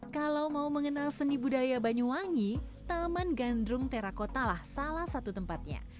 kalau mau mengenal seni budaya banyuwangi taman gandrung terakota lah salah satu tempatnya